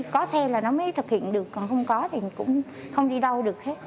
có xe là nó mới thực hiện được còn không có thì cũng không đi đâu được hết